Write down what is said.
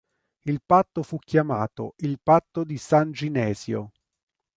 Il patto fu chiamato il "Patto di San Ginesio".